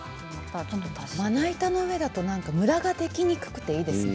まな板の上だとムラができにくくていいですね